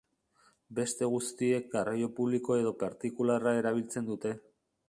Beste guztiek garraio publiko edo partikularra erabiltzen dute.